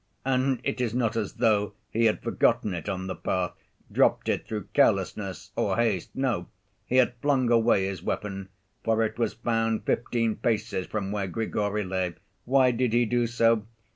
And it is not as though he had forgotten it on the path, dropped it through carelessness or haste, no, he had flung away his weapon, for it was found fifteen paces from where Grigory lay. Why did he do so?